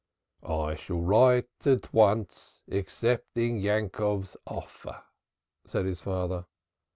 "I shall write at once, accepting Yankov's offer," said his father.